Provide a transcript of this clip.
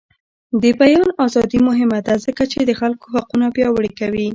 د بیان ازادي مهمه ده ځکه چې د خلکو حقونه پیاوړي کوي.